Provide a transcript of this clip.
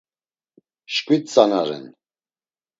Şkvit tzana ren.